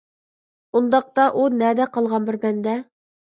ئۇنداقتا ئۇ نەدە قالغان بىر بەندە؟ .